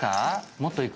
もっといく？